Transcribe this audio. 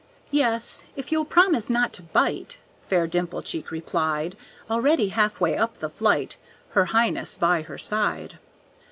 "Yes, if you'll promise not to bite," Fair Dimplecheek replied, Already half way up the flight, His highness by her side.